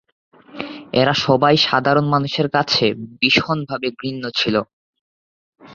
এরা সবাই সাধারণ মানুষের কাছে ভীষণভাবে ঘৃণ্য ছিল।